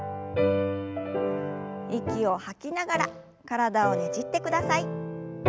息を吐きながら体をねじってください。